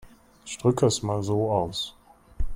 Ich drücke es mal so aus.